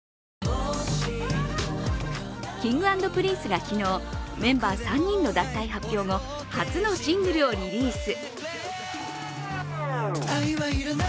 Ｋｉｎｇ＆Ｐｒｉｎｃｅが昨日、メンバー３人の脱退発表後、初のシングルをリリース。